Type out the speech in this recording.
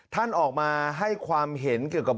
ท่านออกมาให้ความเห็นเกี่ยวกับ